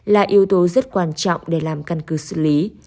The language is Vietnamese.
là yếu tố rất quan trọng để làm căn cứ xử lý